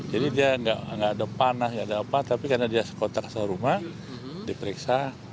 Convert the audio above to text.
jadi dia tidak ada panah tidak ada apa apa tapi karena dia kontak serumah diperiksa